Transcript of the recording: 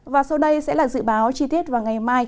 và sau đây sẽ là dự báo chi tiết vào ngày mai